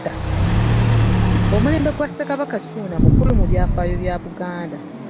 Omulembe gwa Ssekabaka Ssuuna mukulu mu byafaayo bya Buganda.